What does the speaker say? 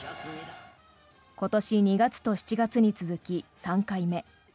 今年２月と７月に続き３回目。